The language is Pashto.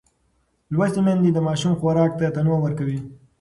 لوستې میندې د ماشوم خوراک ته تنوع ورکوي.